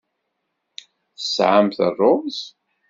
Tesɛamt ṛṛuz?